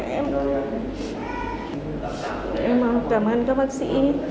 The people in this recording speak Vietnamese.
em cảm ơn các bác sĩ